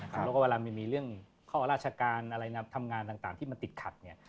แล้วก็เวลามันมีเรื่องข้อราชการอะไรทำงานต่างที่มันติดขัด